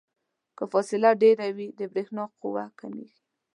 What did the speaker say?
که فاصله ډیره وي د برېښنا قوه کمیږي.